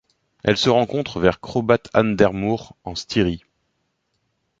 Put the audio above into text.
Elle se rencontre vers Kraubath an der Mur en Styrie.